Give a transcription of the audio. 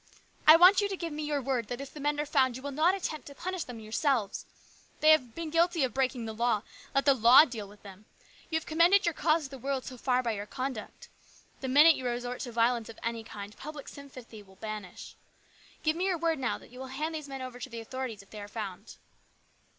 " I want you to give me your word that if the men are found you will not attempt to punish them yourselves. They have been guilty of breaking the law. Let the law deal with them. You have commended your cause to the world so far by your conduct. The minute you resort to violence of any kind, public sympathy will vanish, Give me your word now that you will hand these men over to the authorities if they are found."